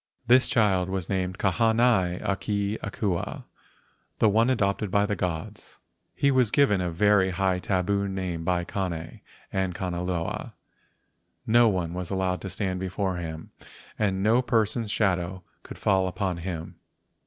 This child was named Kahanai a ke Akua (the one adopted by the gods). He was given a very high tabu by Kane and Kanaloa. No one was allowed to stand before him and no person's shadow could fall upon him.